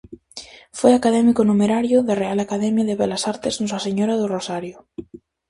Foi académico numerario da Real Academia de Belas Artes Nosa Señora do Rosario.